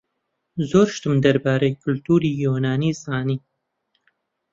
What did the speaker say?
زۆر شتم دەربارەی کولتووری یۆنانی زانی.